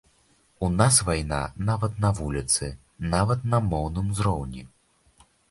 У нас вайна нават на вуліцы, нават на моўным узроўні!